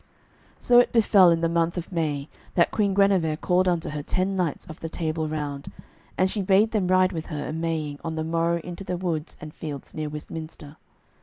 So it befell in the month of May that Queen Guenever called unto her ten knights of the Table Round, and she bade them ride with her a Maying on the morrow into the woods and fields near Westminster.